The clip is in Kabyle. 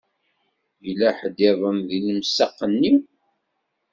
Yella ḥedd-iḍen deg lemsaq-nni?